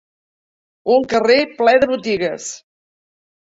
Un carrer ple de botigues.